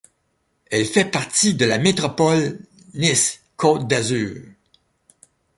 Elle fait partie de la métropole Nice Côte d'Azur.